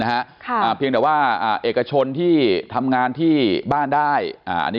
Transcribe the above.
เขาไม่ได้สั่งปิดเพียงแต่ว่าเอกชนที่ทำงานที่บ้านได้